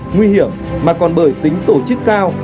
nguy hiểm mà còn bởi tính tổ chức cao